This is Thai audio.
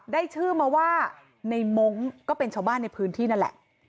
ได้ชื่อมาว่าในมงค์ก็เป็นชาวบ้านในพื้นที่นั่นแหละ